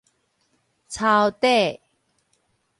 抄底